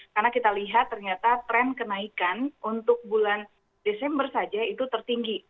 karena kita lihat ternyata tren kenaikan untuk bulan desember saja itu tertinggi